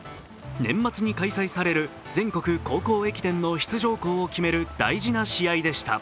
年末に開催される全国高校駅伝の出場校を決める大事な試合でした。